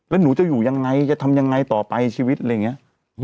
แล้วหนูจะอยู่ยังไงจะทำยังไงต่อไปชีวิตอะไรอย่างนี้